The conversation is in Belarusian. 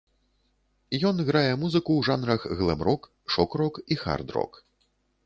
Ён грае музыку ў жанрах глэм-рок, шок-рок і хард-рок.